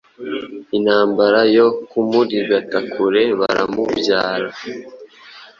Intambara yo kumurigata kure baramubyara